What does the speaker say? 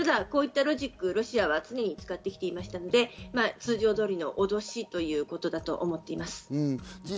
ただこういったロジックをロシアは常に使っていますので通常通りの脅しということだと思っています。